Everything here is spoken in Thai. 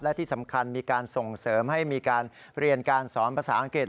และที่สำคัญมีการส่งเสริมให้มีการเรียนการสอนภาษาอังกฤษ